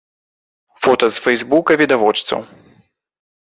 Фота з фэйсбука відавочцаў.